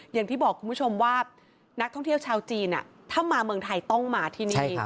อย่างที่บอกคุณผู้ชมว่านักท่องเที่ยวชาวจีนถ้ามาเมืองไทยต้องมาที่นี่